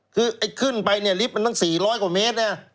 คือขึ้นไปนี่ลิฟต์มันต้อง๔๐๐กว่าเมตร